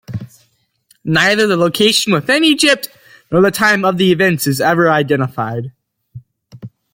Neither the location within Egypt nor the time of the events is ever identified.